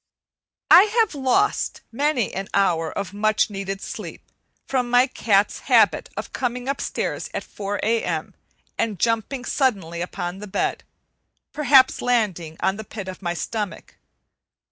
I have lost many an hour of much needed sleep from my cat's habit of coming upstairs at four A.M. and jumping suddenly upon the bed; perhaps landing on the pit of my stomach.